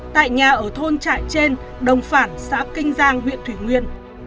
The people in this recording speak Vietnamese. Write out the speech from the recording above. tại nhà ở thôn trại trên đồng phản xã kinh giang huyện thủy nguyên